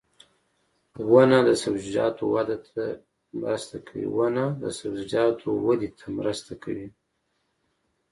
• ونه د سبزیجاتو وده ته مرسته کوي.